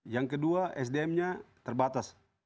yang kedua sdm nya terbatas